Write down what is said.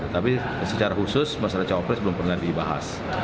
tapi secara khusus mas raja oprez belum pernah dibahas